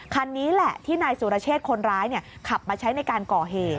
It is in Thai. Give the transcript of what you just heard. คันนี้แหละที่นายสุรเชษคนร้ายขับมาใช้ในการก่อเหตุ